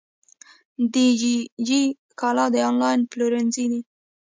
دیجیجی کالا د انلاین پلورنځی دی.